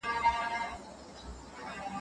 په کلي کې خلک په ساده ژوند کې خوشاله دي.